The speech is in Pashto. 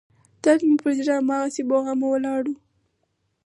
درد مې پر زړه هماغسې بوغمه ولاړ و.